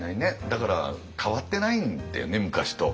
だから変わってないんだよね昔と。